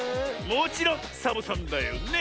もちろんサボさんだよね！